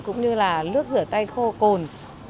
cũng như là lướt rửa tay khô cồn